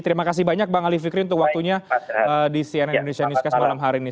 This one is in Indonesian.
terima kasih banyak bang ali fikri untuk waktunya di cnn indonesia newscast malam hari ini